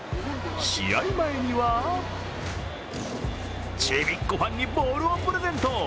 試合前には、ちびっ子ファンにボールをプレゼント。